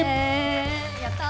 やったー。